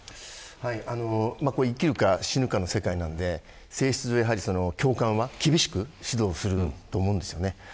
生きるか死ぬかの世界なので性質上、教官は厳しく指導すると思います。